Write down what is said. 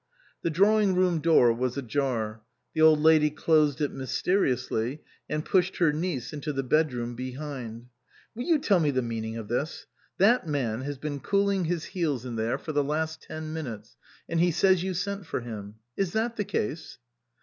The drawing room door was ajar ; the Old Lady closed it mysteriously, and pushed her niece into the bedroom behind. " Will you tell me the meaning of this ? That man has been cooling his heels in there for the 298 THROUGH THE STETHOSCOPE last ten minutes, and he says you sent for him. Is that the case